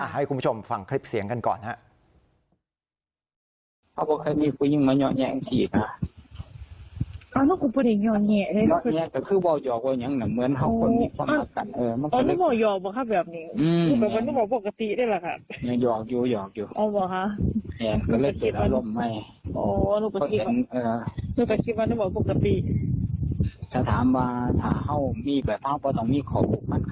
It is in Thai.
ให้คุณผู้ชมฟังคลิปเสียงกันก่อนครับ